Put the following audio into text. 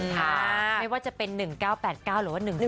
ไม่ว่าจะเป็น๑๙๘๙หรือว่า๑๗